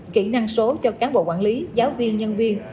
kỹ năng số cho cán bộ quản lý giáo viên nhân viên